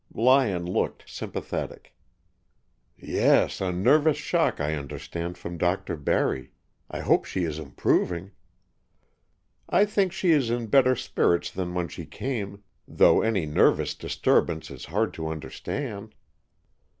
Lyon looked sympathetic. "Yes, a nervous shock I understand from Dr. Barry. I hope she is improving." "I think she is in better spirits than when she came, though any nervous disturbance is hard to understand."